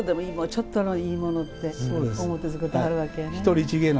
ちょっとでもいいものって思って作ってはるわけですね。